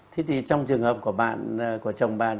thế thì trong trường hợp của bạn của chồng bạn